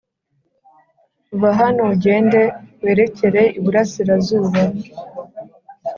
Va hano ugende werekere iburasirazuba